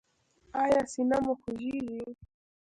ایا سینه مو خوږیږي؟